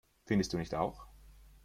Findest du nicht auch?